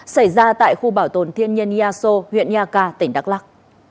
xảy ra tại khu bảo tồn thiên nhiên nha xô huyện nha ca tỉnh đắk lắc